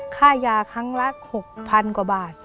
ค่ายาครั้งละ๖๐๐๐กว่าบาท